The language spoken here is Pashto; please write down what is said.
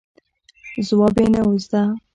ځواب یې نه و زده.